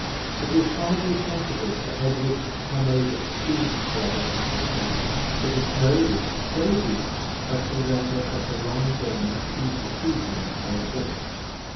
It was hardly possible for Edward to come over to see his brother and sisters, for the snow was so deep as to render such a long journey too fatiguing for a horse.